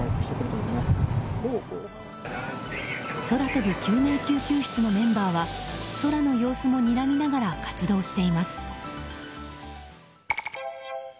空飛ぶ救命救急室のメンバーは空の様子もにらみながら活動しています。